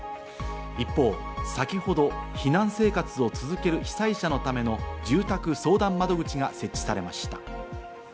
一方、先ほど避難生活を続ける被災者のための住宅相談窓口が設置されました。